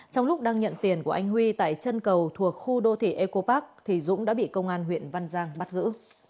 trong lúc đang nhận tiền của anh huy tại chân cầu thuộc khu đô thị eco park thì dũng đã bị công an huyện văn giang bắt giữ